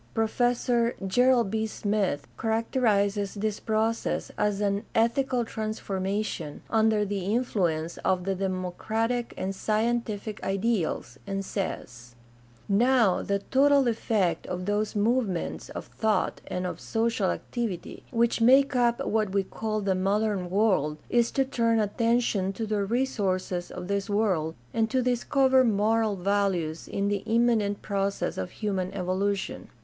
Professor Gerald B. Smith characterizes this process as an "ethical transformation" under the influence of the demo cratic and scientific ideals, and says: Now the total effect of those movements of thought and of social activity which make up what we call the modern world is to turn atten tion to the resources of this world and to discover moral values in the immanent processes of human evolution [Social Idealism and the Changing Theology, p. 211].